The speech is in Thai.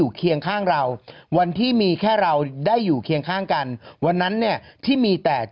อึกอึกอึกอึกอึกอึกอึกอึกอึก